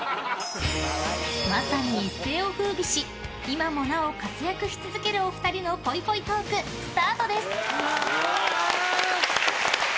まさに一世を風靡し今もなお活躍し続けるお二人のぽいぽいトークスタートです！